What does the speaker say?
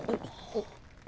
あっ。